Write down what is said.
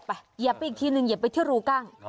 เหยียบไปอีกทีนึงเหยียบไปที่รูกั้ง